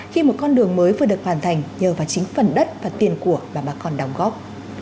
khi một con đường mới vừa được hoàn thành nhờ vào chính phần đất và tiền của mà bà con đóng góp